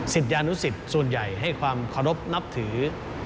ศิษยานุศิษย์ส่วนใหญ่ให้ความขอรบนับถือ